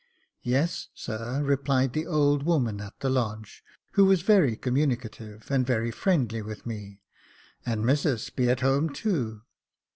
" Yes, sir," replied the old woman at the lodge, who was very communicative, and very friendly with me j and missus be at home too."